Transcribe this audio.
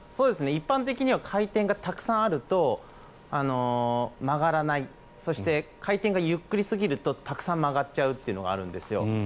一般的には回転がたくさんあると曲がらないそして回転がゆっくり過ぎるとたくさん曲がっちゃうというのがあるんですよ。